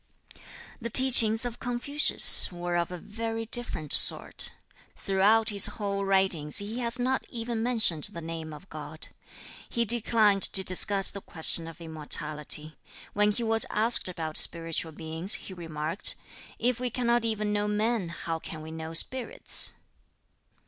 The teachings of Confucius were of a very different sort. Throughout his whole writings he has not even mentioned the name of God. He declined to discuss the question of immortality. When he was asked about spiritual beings, he remarked, "If we cannot even know men, how can we know spirits?"